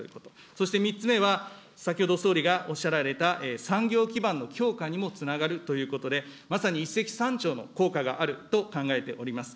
そして３つ目は、先ほど総理がおっしゃられた産業基盤の強化にもつながるということで、まさに一石三鳥の効果があると考えております。